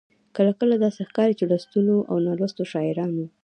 کله کله داسې ښکاري چې لوستو او نالوستو شاعرانو.